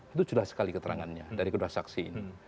itu jelas sekali keterangannya dari kedua saksi ini